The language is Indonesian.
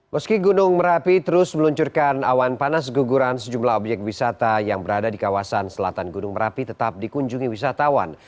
meski gunung merapi terus meluncurkan awan panas guguran sejumlah objek wisata yang berada di kawasan selatan gunung merapi tetap dikunjungi wisatawan